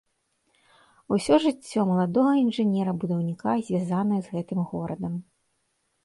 Усё жыццё маладога інжынера-будаўніка звязанае з гэтым горадам.